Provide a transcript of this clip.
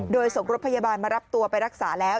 โดยส่งรถพยาบาลมารับตัวไปรักษาแล้ว